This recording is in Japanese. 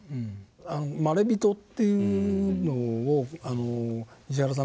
「まれびと」というのを石原さん